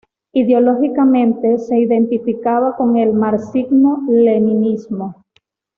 Ideológicamente, se identificaba con el marxismo-leninismo.